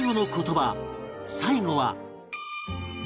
最後は